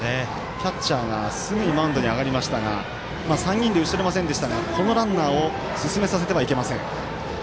キャッチャーがすぐにマウンドに行きましたが３人で打ち取れませんでしたがこのランナーを進めさせてはいけません。